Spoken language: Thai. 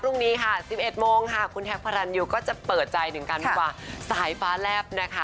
พรุ่งนี้ค่ะ๑๑โมงค่ะคุณแท็กพระรันยูก็จะเปิดใจถึงการวิวาสายฟ้าแลบนะคะ